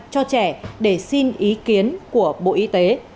cho trẻ để xin ý kiến của bộ y tế